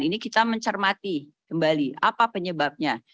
ini kita mencermati kembali apa penyebabnya